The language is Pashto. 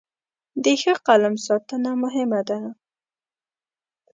د ښه قلم ساتنه مهمه ده.